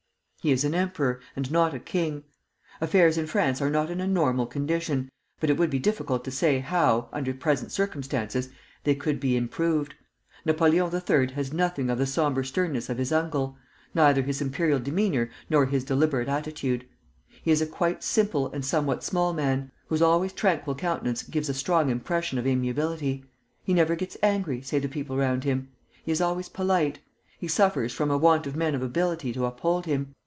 He is an emperor, and not a king.... Affairs in France are not in a normal condition, but it would be difficult to say how, under present circumstances, they could be improved.... Napoleon III. has nothing of the sombre sternness of his uncle, neither his imperial demeanor nor his deliberate attitude. He is a quite simple and somewhat small man, whose always tranquil countenance gives a strong impression of amiability. He never gets angry, say the people round him. He is always polite.... He suffers from a want of men of ability to uphold him.